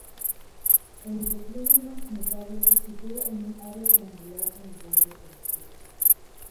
El desplome más notable se sitúa en un área triangular en el borde este.